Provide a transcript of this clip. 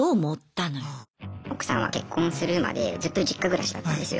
奥さんは結婚するまでずっと実家暮らしだったんですよ。